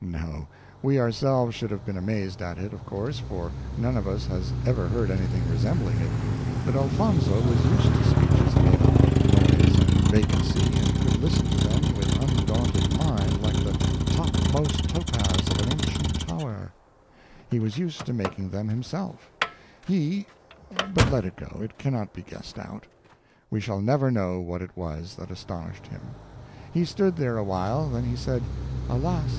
No; we ourselves should have been amazed at it, of course, for none of us has ever heard anything resembling it; but Elfonzo was used to speeches made up of noise and vacancy, and could listen to them with undaunted mind like the "topmost topaz of an ancient tower"; he was used to making them himself; he but let it go, it cannot be guessed out; we shall never know what it was that astonished him. He stood there awhile; then he said, "Alas!